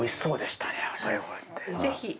ぜひ。